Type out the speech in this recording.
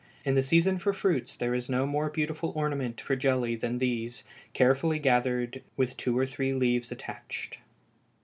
In the season for fruits there is no more beautiful ornament for jelly than these, carefully gathered, with two or three leaves attached.